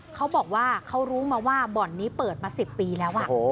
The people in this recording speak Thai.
เขาบอกว่าเขารู้มาว่าบ่อนนี้เปิดมา๑๐ปีแล้ว